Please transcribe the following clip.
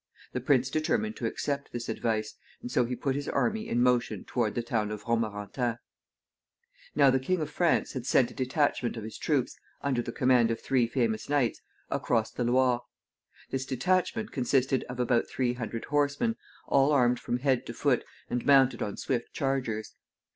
The prince determined to accept this advice, and so he put his army in motion toward the town of Romorantin. Now the King of France had sent a detachment of his troops, under the command of three famous knights, across the Loire. This detachment consisted of about three hundred horsemen, all armed from head to foot, and mounted on swift chargers.